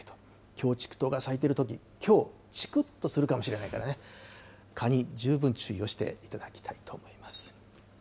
キョウチクトウが咲いてると、きょうちくっとするかもしれないからね、蚊に十分注意をしていただきたいと思います。